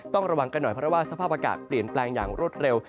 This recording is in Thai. ต้องระวังกันหน่อยเพราะว่าสภาพอากาศเปลี่ยนแปลงอย่างรวดเร็ว